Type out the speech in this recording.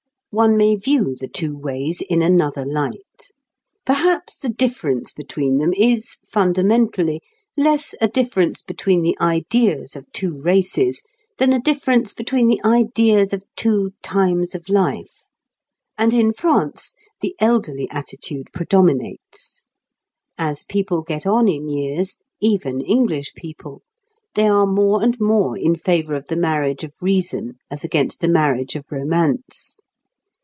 One may view the two ways in another light. Perhaps the difference between them is, fundamentally, less a difference between the ideas of two races than a difference between the ideas of two "times of life"; and in France the elderly attitude predominates. As people get on in years, even English people, they are more and more in favour of the marriage of reason as against the marriage of romance.